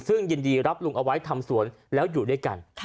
ซึ่งยินดีรับลุงเอาไว้ทำสวนแล้วอยู่ด้วยกัน